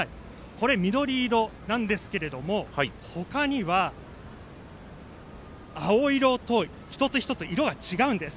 これは緑色なんですけど他には、青色と一つ一つ色が違うんです。